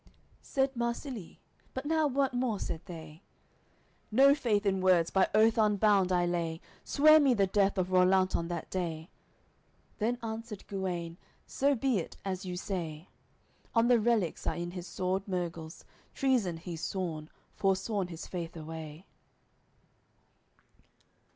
AOI. XLVI Said Marsilie but now what more said they? "No faith in words by oath unbound I lay; Swear me the death of Rollant on that day." Then answered Guene: "So be it, as you say." On the relics, are in his sword Murgles, Treason he's sworn, forsworn his faith away.